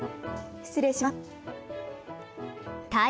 失礼します。